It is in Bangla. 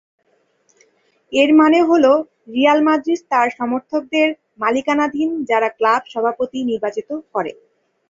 এর মানে হল রিয়াল মাদ্রিদ তার সমর্থকদের মালিকানাধীন যারা ক্লাব সভাপতি নির্বাচিত করে।